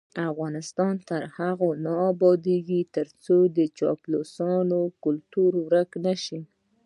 افغانستان تر هغو نه ابادیږي، ترڅو د چاپلوسۍ کلتور ورک نشي.